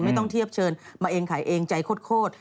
ไม่ต้องเทียบเชิญมาเองขายเองใจโคตร